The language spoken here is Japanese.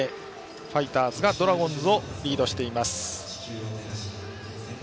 ファイターズがドラゴンズをリードしています。